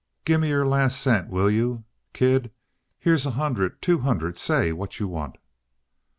Gimme your last cent, will you? Kid, here's a hundred, two hundred say what you want."